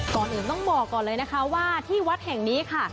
ก่อนอื่นต้องบอกก่อนเลยนะคะว่าที่วัดแห่งนี้ค่ะ